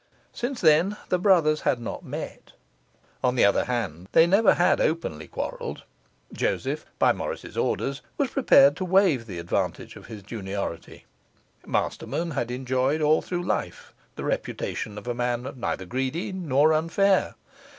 Since then the brothers had not met. On the other hand, they never had openly quarrelled; Joseph (by Morris's orders) was prepared to waive the advantage of his juniority; Masterman had enjoyed all through life the reputation of a man neither greedy nor unfair.